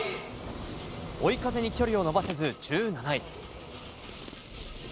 追い風に距離を伸ばせず１７位。